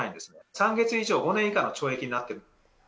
３か月以上５年以上の懲役になってくる。